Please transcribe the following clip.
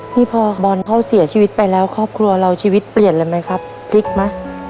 นี่พอบอลเขาเสียชีวิตไปแล้วครอบครัวเราชีวิตเปลี่ยนเลยไหมครับติ๊กไหม